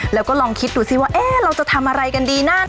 แล้วก็ลองคิดดูสิว่าเราจะทำอะไรกันดีนะ